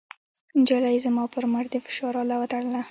نجلۍ زما پر مټ د فشار اله وتړله.